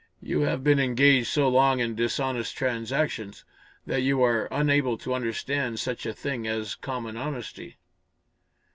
You have been engaged so long in dishonest transactions that you are unable to understand such a thing as common honesty."